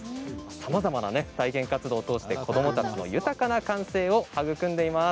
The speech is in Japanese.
さまざまな体験活動を通して子どもたちの豊かな感性を育んでいます。